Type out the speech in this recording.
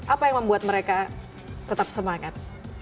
apa yang membuat mereka tetap semangat